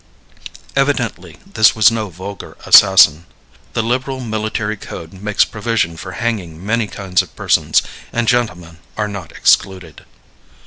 Evidently this was no vulgar assassin. The liberal military code makes provision for hanging many kinds of persons, and gentlemen are not excluded.